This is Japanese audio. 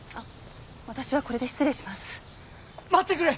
私はこれで失礼します